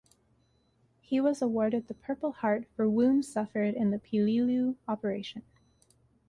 He was awarded the Purple Heart for wounds suffered in the Peleliu operation.